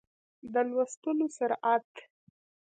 د لوستلو سرعت